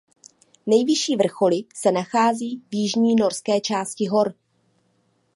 Nejvyšší vrcholy se nachází v jižní norské části hor.